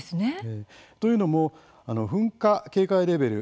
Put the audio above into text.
というのも噴火警戒レベル